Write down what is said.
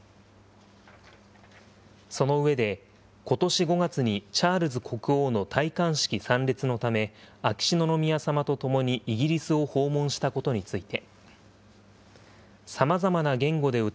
その上で、ことし５月にチャールズ国王の戴冠式参列のため、秋篠宮さまと共にイギリスを訪問したことについて。